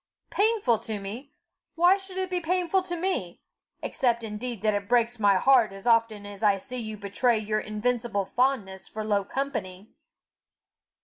"Painful to me! Why should it be painful to me except indeed that it breaks my heart as often as I see you betray your invincible fondness for low company?"